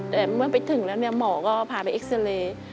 แต่เมื่อไปถึงแล้วเนี่ยหมอก็พาไปเอ็กซาเรย์